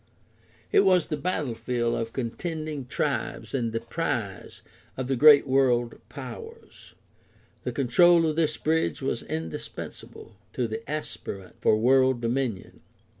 It was the battlefield of contending tribes and the prize of the great world powers. The control of this bridge was indispensable to the aspirant for world dominion.